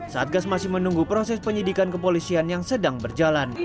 satgas masih menunggu proses penyidikan kepolisian yang sedang berjalan